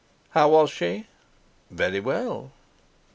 "How was she?" "Very well."